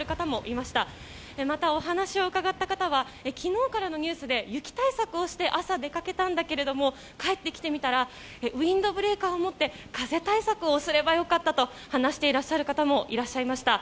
また、お話を伺った方は昨日からのニュースで雪対策をして朝、出かけたんですけども帰ってきてみたらウィンドブレーカーを持って風対策をすればよかったと話していらっしゃる方もいらっしゃいました。